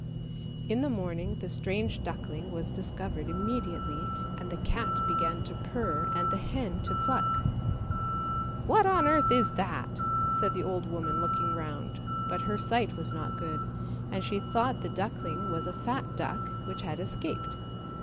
In the morning the strange duckling was discovered im mediately, and the cat began to purr, and the hen to cluck. " What on earth is that! " said the old woman looking round, but her sight was not good, and she thought the duckling was a fat duck which had escaped.